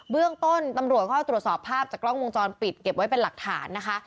เรื่องต้นตำรวจก็ตรวจสอบภาพจากกล้องวงจรปิดเก็บไว้เป็นหลักฐานนะคะ